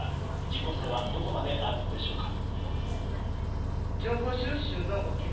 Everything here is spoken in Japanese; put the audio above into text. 実効性はどこまであるのでしょうか。